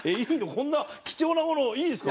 こんな貴重なものをいいんですか？